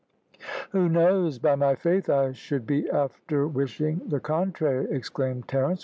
"Who knows! By my faith, I should be after wishing the contrary!" exclaimed Terence.